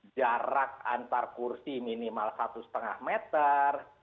jarak antar kursi minimal satu lima meter